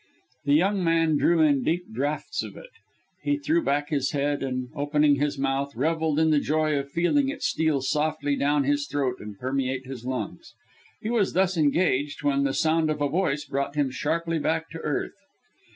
The young man drew in deep draughts of it; he threw back his head, and, opening his mouth, revelled in the joy of feeling it steal softly down his throat and permeate his lungs. He was thus engaged when the sound of a voice brought him sharply back to earth.